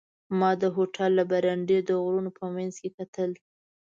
ما د هوټل له برنډې د غرونو په منځ کې کتل.